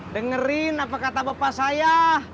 dengerin apa kata bapak saya